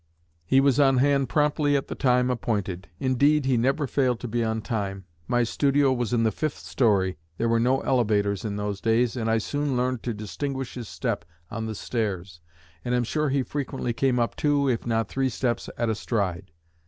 He was on hand promptly at the time appointed; indeed, he never failed to be on time. My studio was in the fifth story. There were no elevators in those days, and I soon learned to distinguish his step on the stairs, and am sure he frequently came up two, if not three, steps at a stride.